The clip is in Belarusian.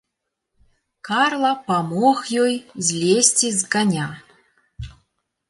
Карла памог ёй злезці з каня.